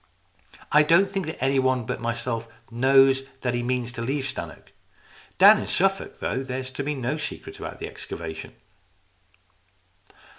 I don't think that anybody but myself knows that he means to leave Stannoke. Down in Suffolk, though, there is to be no secret about the excavation."